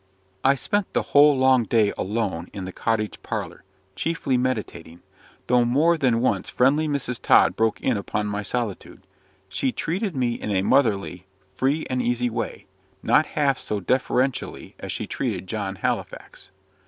I spent the whole long day alone in the cottage parlour, chiefly meditating; though more than once friendly Mrs. Tod broke in upon my solitude. She treated me in a motherly, free and easy way: not half so deferentially as she treated John Halifax.